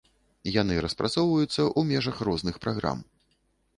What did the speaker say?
Яны распрацоўваюцца ў межах розных праграм.